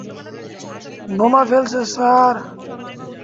বোমা ফেলছে, স্যার।